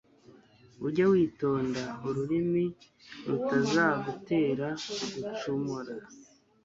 ujye witonda ururimi rutazagutera gucumura